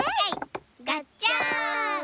がっちゃん。